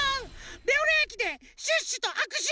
レオレオえきでシュッシュとあくしゅ！